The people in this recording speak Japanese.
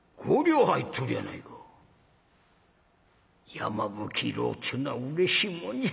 やまぶき色っちゅうのはうれしいもんじゃ。